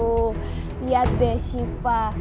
oh lihat deh syifa